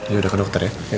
yaudah ke dokter ya